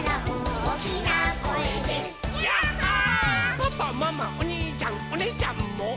「パパママおにいちゃんおねぇちゃんも」